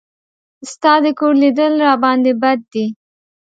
ستا د کور لیدل راباندې بد دي.